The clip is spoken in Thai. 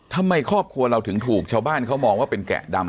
ทำไมครอบครัวเราถึงถูกชาวบ้านเขามองว่าเป็นแกะดำ